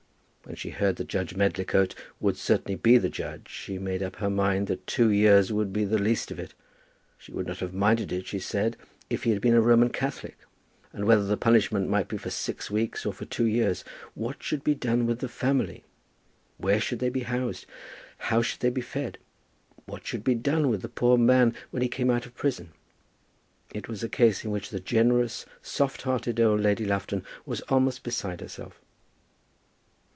When she heard that Judge Medlicote would certainly be the judge, she made up her mind that two years would be the least of it. She would not have minded it, she said, if he had been a Roman Catholic. And whether the punishment might be for six weeks or for two years, what should be done with the family? Where should they be housed? how should they be fed? What should be done with the poor man when he came out of prison? It was a case in which the generous, soft hearted old Lady Lufton was almost beside herself.